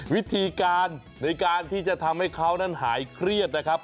วิธีการในการที่จะทำให้เขานั้นหายเครียดนะครับ